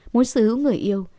muốn xứ hữu người yêu